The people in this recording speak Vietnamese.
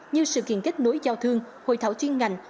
như sự kiện kết nối giao thương